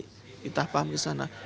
kita paham ke sana